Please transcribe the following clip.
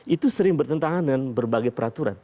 itu sering bertentangan dengan berbagai peraturan